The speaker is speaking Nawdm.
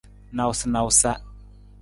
Nawusanawusa.